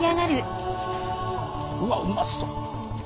うわっうまそう！